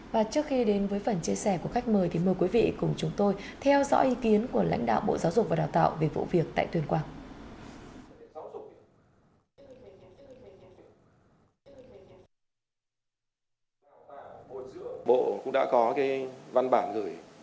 và trước khi đến với phần chia sẻ của khách mời thì mời quý vị cùng chúng tôi theo dõi ý kiến của lãnh đạo bộ giáo dục và đào tạo về vụ việc tại tuyên quang